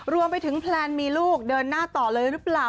แพลนมีลูกเดินหน้าต่อเลยหรือเปล่า